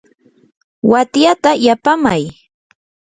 watyata yapaamay.